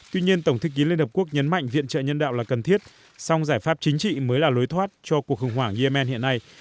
tuy nhiên tổng thư ký liên hợp quốc nhấn mạnh viện trợ nhân đạo là cần thiết song giải pháp chính trị mới là lối thoát cho cuộc khủng hoảng yemen hiện nay